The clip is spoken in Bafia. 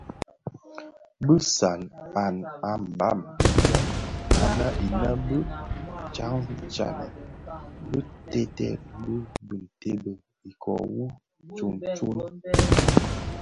Bi sans an a mbam anèn innë bè tatnèn bi teted bi bitimbè ikoo wu tsuňtsuň.